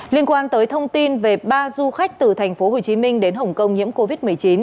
liên quan tới thông tin về ba du khách từ tp hcm đến hồng kông nhiễm covid một mươi chín